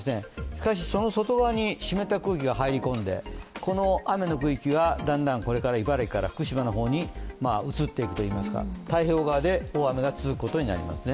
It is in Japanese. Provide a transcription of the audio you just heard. しかし、その外側に湿った空気が入り込んで、この雨の区域がだんだんこれから茨城から福島の方に移っていくといいますか、太平洋側で大雨が続くことになりますね。